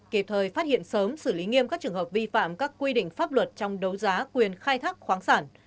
kịp thời phát hiện sớm xử lý nghiêm các trường hợp vi phạm các quy định pháp luật trong đấu giá quyền khai thác khoáng sản